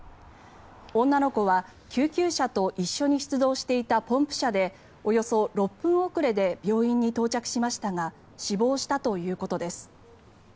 女の子は救急車と一緒に出動していたポンプ車でおよそ６分遅れで病院に到着しましたが死亡したということです。